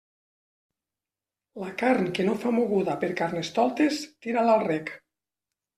La carn que no fa moguda per Carnestoltes tira-la al rec.